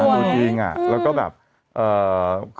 จริงปะตอนไหนอ่ะอ๋อจริงปะตอนไหนอ่ะ